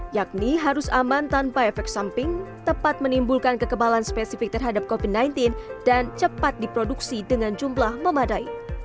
yakni harus aman tanpa efek samping tepat menimbulkan kekebalan spesifik terhadap covid sembilan belas dan cepat diproduksi dengan jumlah memadai